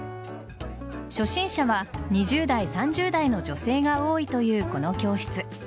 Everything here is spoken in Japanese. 初心者は２０代、３０代の女性が多いというこの教室。